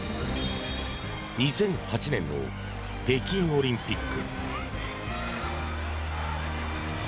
２００８年の北京オリンピック。